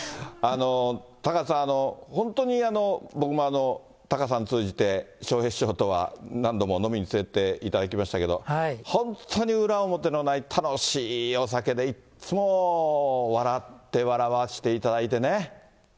タカさん、本当に僕もタカさん通じて、笑瓶師匠とは何度も飲みに連れて行っていただきましたけど、本当に裏表のない、楽しいお酒で、いっつも笑って、笑わせていただいてね。